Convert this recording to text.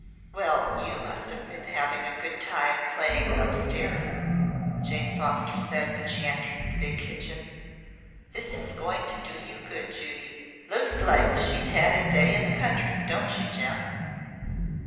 "Well, you must have been having a good time playing up stairs," Jane Foster said when she entered the big kitchen. "This is going to do you good, Judy. Looks like she'd had a day in the country, don't she, Jem?"